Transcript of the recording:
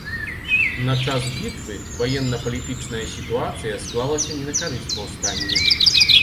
На час бітвы ваенна-палітычная сітуацыя склалася не на карысць паўстання.